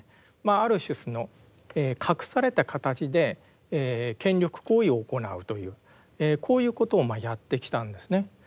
ある種その隠された形で権力行為を行うというこういうことをまあやってきたんですね。